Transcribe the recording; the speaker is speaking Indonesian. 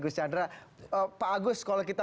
gus chandra pak agus kalau kita